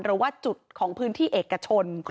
หรือว่าจุดของพื้นที่เอกชน